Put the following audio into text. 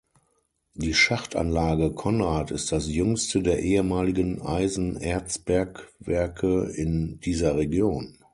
Die Schachtanlage Konrad ist das jüngste der ehemaligen Eisenerzbergwerke in dieser Region.